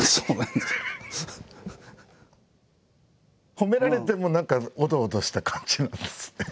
褒められても何かオドオドした感じなんですね。